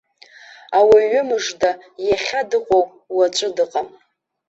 Ауаҩы мыжда, иахьа дыҟоуп, уаҵәы дыҟам.